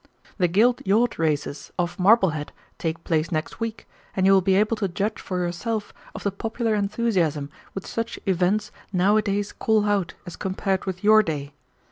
The guild yacht races off Marblehead take place next week, and you will be able to judge for yourself of the popular enthusiasm which such events nowadays call out as compared with your day.